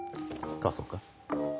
貸そうか？